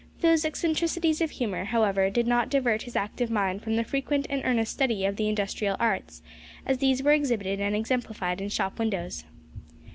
Those eccentricities of humour, however, did not divert his active mind from the frequent and earnest study of the industrial arts, as these were exhibited and exemplified in shop windows.